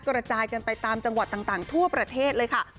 กระจายกันไปตามจังหวัดต่างทั่วประเทศเลยค่ะ